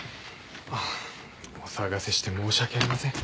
あっお騒がせして申し訳ありません。